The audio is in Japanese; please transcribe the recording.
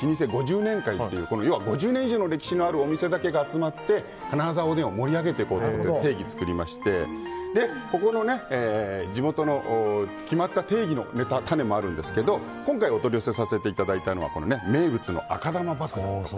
５０年会という要は５０年以上の歴史のあるお店だけが集まって金澤おでんを盛り上げていこうと定義を作りまして地元の決まった定義のタネもあるんですけど今回お取り寄せさせていただいたのは名物の赤玉ばくだんです。